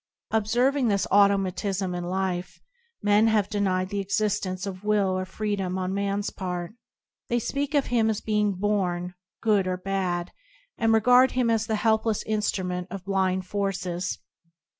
Observ ing this automatism in life, men have denied the existence of will or freedom on man's part. They speak of him as being "born" good or bad, and regard him as the helpless instrument of blind forces.